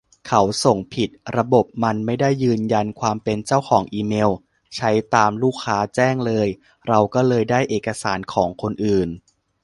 เขาส่งผิด ระบบมันไม่ได้ยืนยันความเป็นเจ้าของอีเมล ใช้ตามลูกค้าแจ้งเลย เราก็เลยได้เอกสารของคนอื่น